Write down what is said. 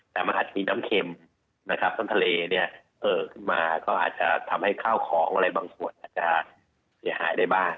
แต่มันอาจมีน้ำเข็มส้นทะเลเกิดขึ้นมาก็อาจจะทำให้ข้าวของอะไรบางส่วนอาจจะหายได้บ้าง